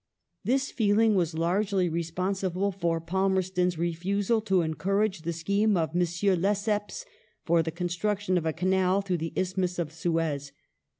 ^ This feeling was largely responsible for Palmerston's \ refusal to encourage the scheme of M. Lesseps for the construction ] of a canal through the Isthmus of Suez.